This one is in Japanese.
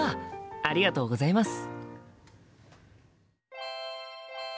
ありがとうございます。